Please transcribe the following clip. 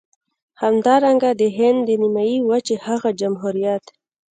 همدارنګه د هند د نيمې وچې هغه جمهوريت.